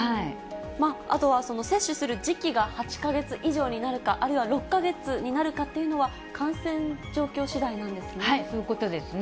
あとは接種する時期が８か月以上になるか、あるいは６か月になるかというのは、そういうことですね。